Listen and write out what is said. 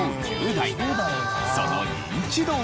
そのニンチドは？